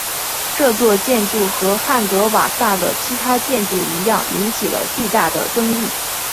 这座建筑和汉德瓦萨的其他建筑一样引起了巨大的争议。